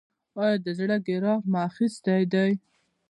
ایا د زړه ګراف مو اخیستی دی؟